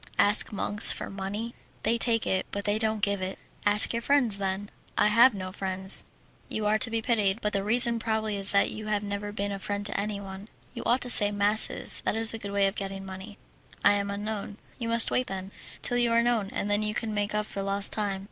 "Ask monks for money? They take it, but they don't give it." "Ask your friends, then." "I have no friends." "You are to be pitied, but the reason probably is that you have never been a friend to anyone. You ought to say masses, that is a good way of getting money." "I am unknown." "You must wait, then, till you are known, and then you can make up for lost time."